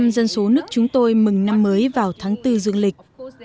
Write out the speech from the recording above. chín mươi dân số nước chúng tôi mừng năm mới vào tháng bốn dương lịch